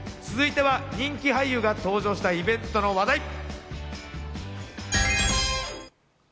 続いては人気俳優が登場したイベントの話題。